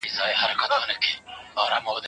ماشوم د رمې شاته په منډه روان و.